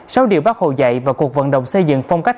sau điều bác hồ dạy và cuộc vận động xây dựng phong cách